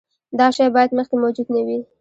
دا شی باید مخکې موجود نه وي.